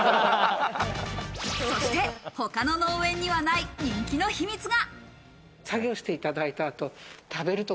そして他の農園にはない人気の秘密が。